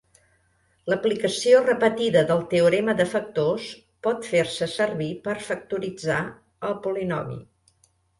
L'aplicació repetida del teorema de factors pot fer-se servir per factoritzar el polinomi.